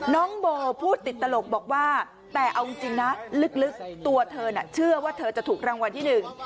น้องโบพูดติดตลกบอกว่าแต่เอาจริงนะลึกตัวเธอน่ะเชื่อว่าเธอจะถูกรางวัลที่หนึ่ง